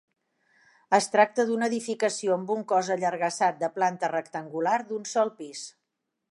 Es tracta d'una edificació amb un cos allargassat de planta rectangular, d'un sol pis.